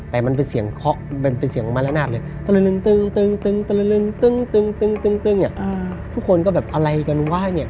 แต่มันเป็นเสียงเคาะเป็นเสียงมาละนาดเลยทุกคนก็แบบอะไรกันว่าเนี่ย